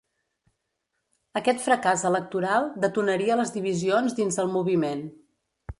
Aquest fracàs electoral detonaria les divisions dins el moviment.